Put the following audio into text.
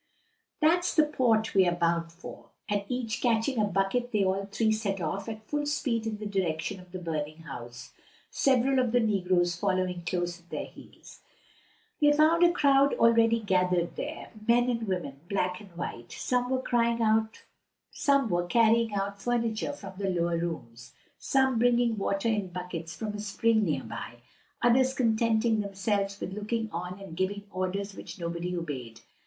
"That's the port we are bound for." And each catching up a bucket they all three set off at full speed in the direction of the burning house, several of the negroes following close at their heels. They found a crowd already gathered there men and women, black and white. Some were carrying out furniture from the lower rooms, some bringing water in buckets from a spring near by, others contenting themselves with looking on and giving orders which nobody obeyed.